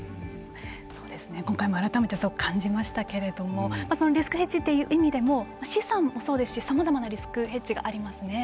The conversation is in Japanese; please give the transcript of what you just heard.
今回も改めてそう感じましたけれどもそのリスクヘッジという意味でも資産もそうですしさまざまなリスクヘッジがありますね。